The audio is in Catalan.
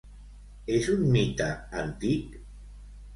És un mite antic?